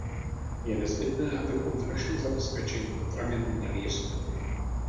Je nezbytné, abychom v našem zabezpečení potravin měli jistotu.